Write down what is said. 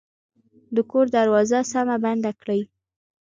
د کور دروازه سمه بنده کړئ